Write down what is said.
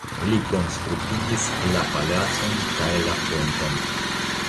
Li konstruigis la palacon kaj la ponton.